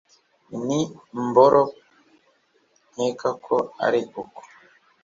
n'imboro nkeka ko ari uko